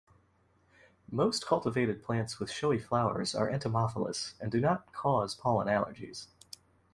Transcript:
Most cultivated plants with showy flowers are entomophilous and do not cause pollen allergies.